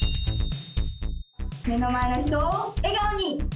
目の前の人を笑顔に。